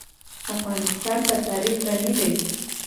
افغانستان په تاریخ غني دی.